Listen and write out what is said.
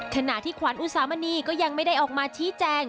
ขณะที่ขวัญอุสามณีก็ยังไม่ได้ออกมาชี้แจง